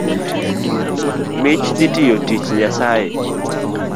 Mich dhi tiyo tich Nyasaye